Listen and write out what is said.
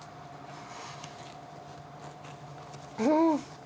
うん！